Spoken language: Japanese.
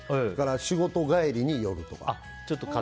仕事帰りに寄るとか。